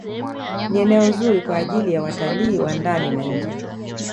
Ni eneo zuri kwa ajili ya watalii wa ndani na nje